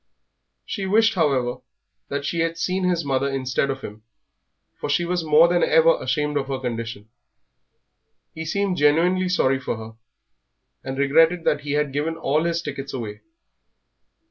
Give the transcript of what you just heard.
She wished, however, that she had seen his mother instead of him, for she was more than ever ashamed of her condition. He seemed genuinely sorry for her, and regretted that he had given all his tickets away.